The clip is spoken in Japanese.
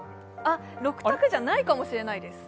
６択じゃないかもしれない。